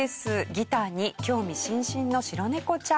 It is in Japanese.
ギターに興味津々の白ネコちゃん。